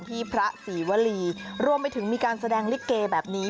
พระศรีวรีรวมไปถึงมีการแสดงลิเกแบบนี้